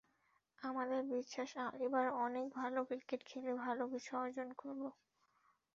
আমাদের বিশ্বাস, এবার অনেক ভালো ক্রিকেট খেলে ভালো কিছু অর্জন করব।